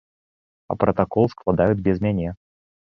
А пратакол складаюць без мяне!